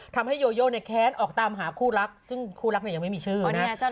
โยโยเนี่ยแค้นออกตามหาคู่รักซึ่งคู่รักเนี่ยยังไม่มีชื่อนะ